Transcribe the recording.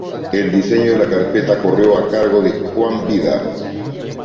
El diseño de la carpeta corrió a cargo de Juan Vida.